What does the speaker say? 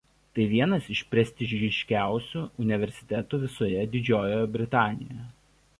Tai vienas iš prestižiškiausių universitetų visoje Didžiojoje Britanijoje.